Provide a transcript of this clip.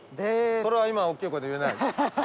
それは今大きい声で言えない？